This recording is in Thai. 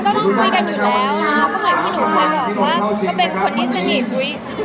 มันก็ต้องคุยกันอยู่แล้วเพราะเหมือนที่หนูก็บอกว่าเขาเป็นคนที่สนิทด้วย